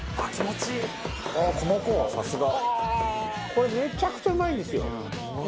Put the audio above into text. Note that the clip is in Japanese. これめちゃくちゃうまいんですよ。